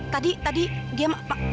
tadi tadi dia masuk